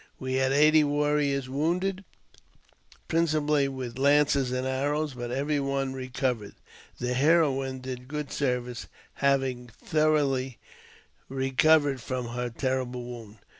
We had eighty warriors woundedJ principally with lances and arrows, but every one recovered.! The heroine did good service, having thoroughly recovered from her terrible wound.